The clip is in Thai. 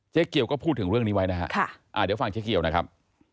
เกียวก็พูดถึงเรื่องนี้ไว้นะฮะเดี๋ยวฟังเจ๊เกียวนะครับ